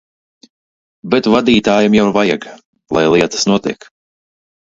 Bet vadītājam jau vajag, lai lietas notiek.